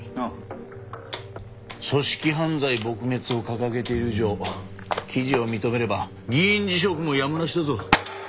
組織犯罪撲滅を掲げている以上記事を認めれば議員辞職もやむなしだぞ。